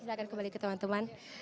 silahkan kembali ke teman teman